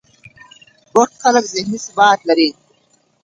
بوخت خلک ذهني ثبات لري.